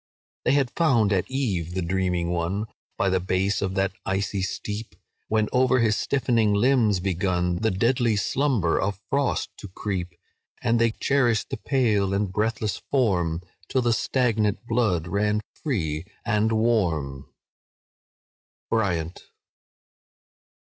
"They had found at eve the dreaming one, By the base of that icy steep, When over his stiffening limbs begun The deadly slumber of frost to creep; And they cherished the pale and breathless form, Till the stagnant blood ran free and warm."—BRYANT.